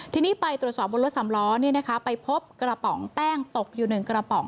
ทีนี้ไปตรวจสอบบนรถสำล้อไปพบกระป๋องแป้งตกอยู่๑กระป๋อง